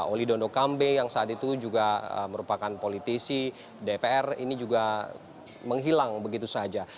oli dondo kambe yang saat itu juga merupakan politisi dpr ini juga menghilang begitu saja